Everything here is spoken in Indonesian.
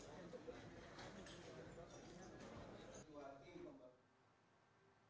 noumid tengah an inches enam s dan kecil enam bahasa indonesia